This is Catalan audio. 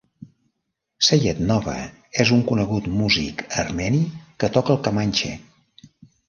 Sayat-Nova és un conegut músic armeni que toca el kamanche.